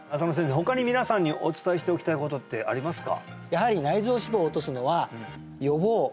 他に皆さんにお伝えしておきたいことってありますか？